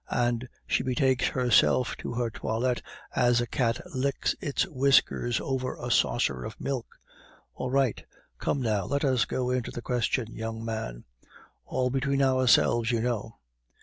and she betakes herself to her toilette as a cat licks its whiskers over a saucer of milk. All right. Come, now, let us go into the question, young man; all between ourselves, you know.